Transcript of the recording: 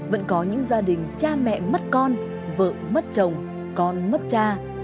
vẫn có những gia đình cha mẹ mất con vợ mất chồng con mất cha